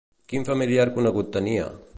Quin familiar conegut tenia?